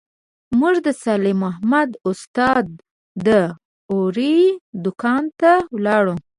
موږ د صالح محمد استاد داوري دوکان ته ولاړو.